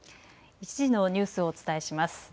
１時のニュースをお伝えします。